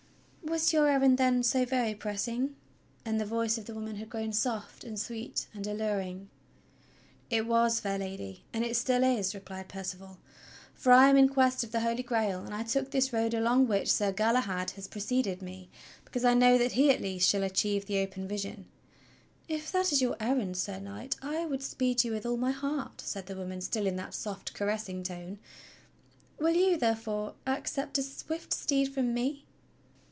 "AYas your errand, then, so very pressing.?" and the voice of the woman had grown soft and sweet and alluring. "It was, fair Lady, and it still is," replied Percival, "for I am in Quest of the Holy Grail; and I took this road along which Sir Galahad has preceded me, because I know that he at least shall achieve the open vision." "If that is your errand. Sir Knight, I would speed you with all my heart," said the woman still in that soft, caressing tone. "Will you, therefore, accept a swift steed from me.?"